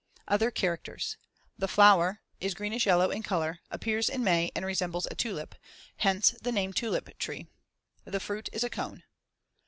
Other characters: The flower, shown in Fig. 75, is greenish yellow in color, appears in May and resembles a tulip; hence the name tulip tree. The fruit is a cone.